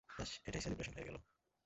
ব্যস, এটাই সেলিব্রেশন হয়ে গেল।